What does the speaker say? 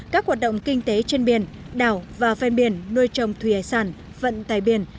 các hoạt động kinh tế trên biển đảo và ven biển nuôi trồng thủy hải sản vận tài biển